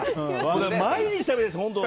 毎日食べたいです、本当。